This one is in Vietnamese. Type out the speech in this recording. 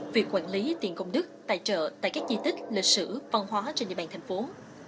việc quản lý tiền công đức tài trợ tại các di tích lịch sử văn hóa trên địa bàn thành phố